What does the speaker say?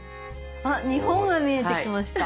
あっ日本が見えてきました。